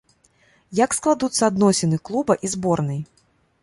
Як складуцца адносіны клуба і зборнай?